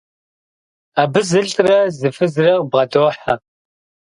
Абы зылӏрэ зы фызрэ къыбгъэдохьэ.